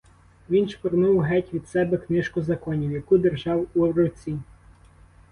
Він шпурнув геть від себе книжку законів, яку держав у руці.